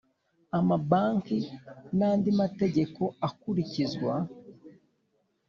amabanki n andi mategeko akurikizwa